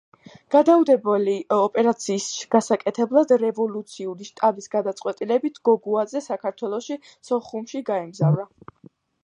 გადაუდებელი ოპერაციის გასაკეთებლად რევოლუციური შტაბის გადაწყვეტილებით გოგუაძე საქართველოში, სოხუმში გაემგზავრა.